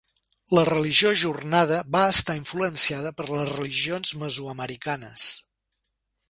La religió Jornada va estar influenciada per les religions mesoamericanes.